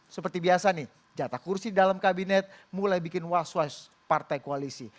seperti biasa nih jatah kursi dalam kabinet mulai bikin was was partai koalisi